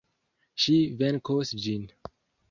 Ŝi venkos ĝin!